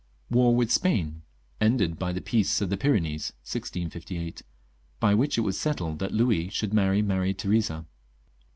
War with Spain. Ended by the Peace of the Pyrenees, 1658. (By which it was settled that Louis should marry Maria Theresa.)